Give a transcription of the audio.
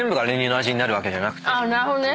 なるほどね。